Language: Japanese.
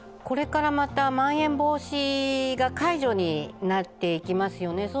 これからまた、まん延防止が解除になっていきますよね。